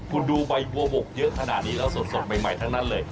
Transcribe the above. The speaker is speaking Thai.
คุณดูใบบัวหมกเยอะขนาดนี้แล้วสดใหม่ทั้งนั้นเลย